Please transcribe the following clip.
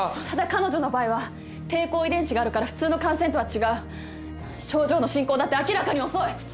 ただ彼女の場合は抵抗遺伝子があるから普通の感染とは違う症状の進行だって明らかに遅い。